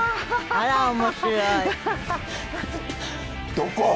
どこ？